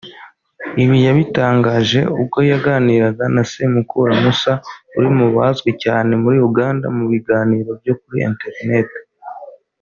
Ibi yabitangaje ubwo yaganiraga na Semakula Musa uri mu bazwi cyane muri Uganda mu biganiro byo kuri ‘internet’